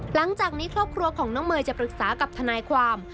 หลังจากนี้ครอบครัวของน้องเมย์จะปรึกษากับทนายความ